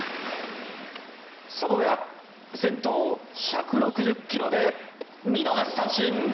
その裏、先頭を１６０キロで見逃し三振。